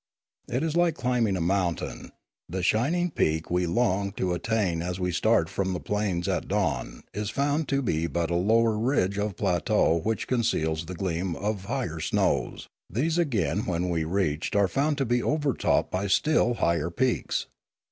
It is like climbing a mountain; the shining peak we long to attain as we start from the plains at dawn is found to be but a lower ridge of plateau which conceals the gleam of higher snows; these again when reached are found to be overtopped by still higher peaks.